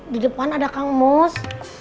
di depan ada kang mus